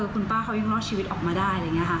คุณป้าเขายังรอดชีวิตออกมาได้อะไรอย่างนี้ค่ะ